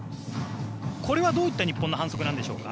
これはどういった日本の反則なんでしょうか。